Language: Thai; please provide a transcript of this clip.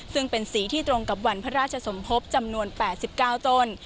ซึ่งเป็นสีที่ตรงกับวันพระราชสมภพจำนวน๘๙ต้น